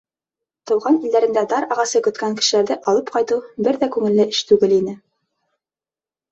Тыуған илдәрендә дар ағасы көткән кешеләрҙе алып ҡайтыу бер ҙә күңелле эш түгел ине.